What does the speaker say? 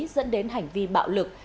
dẫn đến hành vi bạo lực